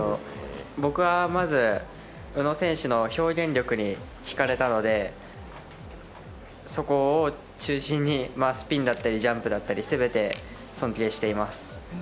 僕は、まず宇野選手の表現力にひかれたのでそこを中心にスピンだったりジャンプだったり全て尊敬しています。